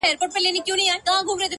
پر دې متل باندي څه شك پيدا سو ـ